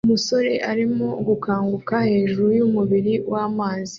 Umusore arimo gukanguka hejuru yumubiri wamazi